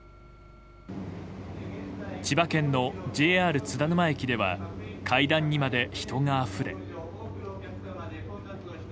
千葉県のＪＲ津田沼駅では階段にまで人があふれ。